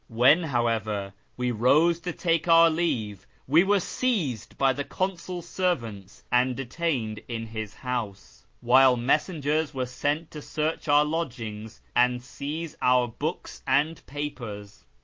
When, however, we rose to take our leave, we were seized by the consul's servants and detained in his house, while messengers were sent to search our lodgings and seize our books and papers.